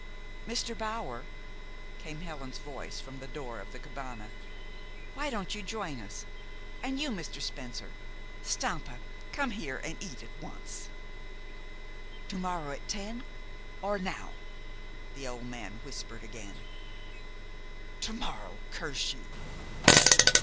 "Mr. Bower!" came Helen's voice from the door of the cabane. "Why don't you join us? And you, Mr. Spencer? Stampa, come here and eat at once." "To morrow, at ten? Or now?" the old man whispered again. "To morrow curse you!"